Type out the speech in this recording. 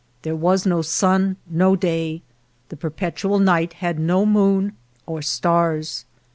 There was no sun, no day. The perpetual night had no moon or stars.